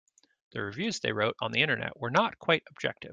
The reviews they wrote on the Internet were not quite objective.